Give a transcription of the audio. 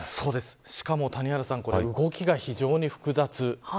しかも谷原さん動きが非常に複雑なんです。